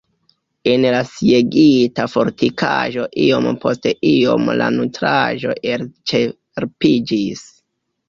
En la sieĝita fortikaĵo iom post iom la nutraĵo elĉerpiĝis.